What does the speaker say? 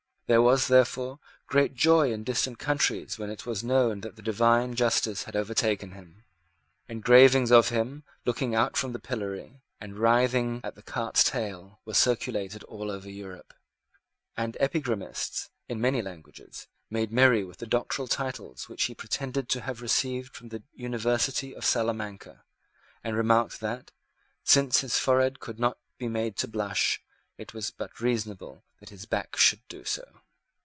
There was, therefore, great joy in distant countries when it was known that the divine justice had overtaken him. Engravings of him, looking out from the pillory, and writhing at the cart's tail, were circulated all over Europe; and epigrammatists, in many languages, made merry with the doctoral title which he pretended to have received from the University of Salamanca, and remarked that, since his forehead could not be made to blush, it was but reasonable that his back should do so.